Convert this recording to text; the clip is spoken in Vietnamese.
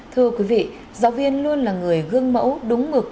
thưa quý vị giáo viên luôn là người gương mẫu đúng mực